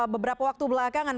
beberapa waktu belakangan